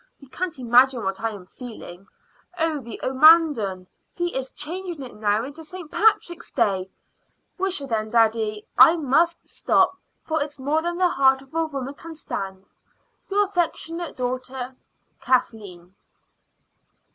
You can't imagine what I am feeling. Oh, the omadhaun! he is changing it now into 'St. Patrick's Day,' Wisha, then, daddy! I must stop, for it's more than the heart of woman can stand. Your affectionate daughter, "KATHLEEN."